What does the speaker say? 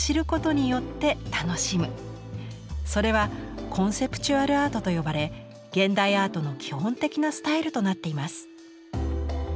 それは「コンセプチュアル・アート」と呼ばれ現代アートの基本的なスタイルとなっています。